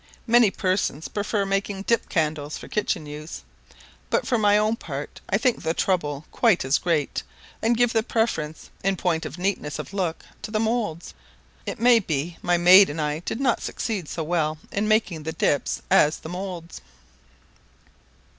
Many persons prefer making dip candles for kitchen use; but for my own part I think the trouble quite as great, and give the preference, in point of neatness of look, to the moulds. It may be, my maid and I did not succeed so well in making the dips as the moulds.